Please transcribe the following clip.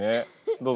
どうぞ。